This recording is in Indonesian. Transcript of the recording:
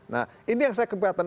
nah ini yang saya keberatan